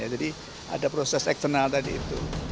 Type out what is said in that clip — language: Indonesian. jadi ada proses eksternal tadi itu